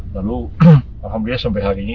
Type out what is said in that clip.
lalu alhamdulillah sampai hari ini